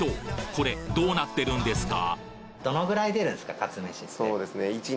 これどうなってるんですか？